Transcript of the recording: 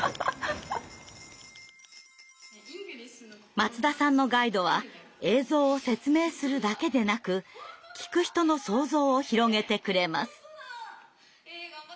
松田さんのガイドは映像を説明するだけでなく聞く人の想像を広げてくれます。